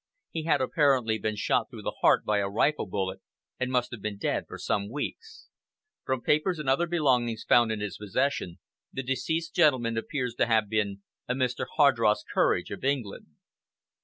He had apparently been shot through the heart by a rifle bullet, and must have been dead for some weeks. From papers and other belongings found in his possesion, the deceased gentleman appears to have been a Mr. Hardross Courage of England."